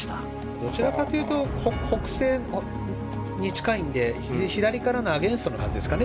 どちらかというと北西に近いので左からのアゲンストのはずですね。